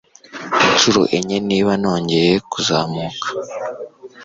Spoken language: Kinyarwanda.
inshuro enye niba nongeye kuzamuka